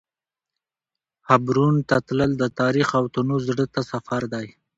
حبرون ته تلل د تاریخ او تنوع زړه ته سفر دی.